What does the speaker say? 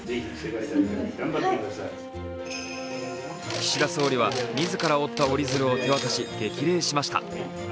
岸田総理は自ら折った折り鶴を手渡し、激励しました。